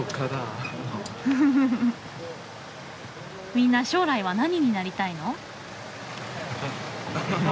みんな将来は何になりたいの？